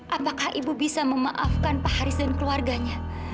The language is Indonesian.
apakah ibu bisa memaafkan pak haris dan keluarganya